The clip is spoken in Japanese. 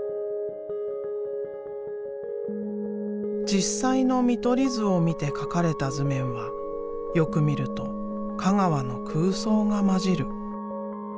実際の見取り図を見て描かれた図面はよく見ると香川の空想が混じる。